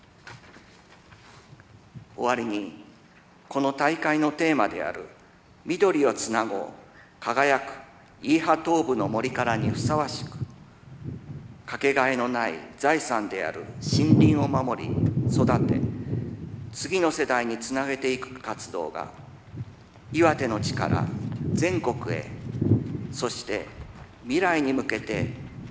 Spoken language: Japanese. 終わりにこの大会のテーマである「緑をつなごう輝くイーハトーブの森から」にふさわしく掛けがえのない財産である森林を守り育て次の世代につなげていく活動が岩手の地から全国へそして未来に向けて大きく広がっていくことを願い